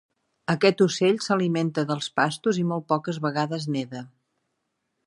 Aquest ocell s"alimenta dels pastos i molt poques vegades neda.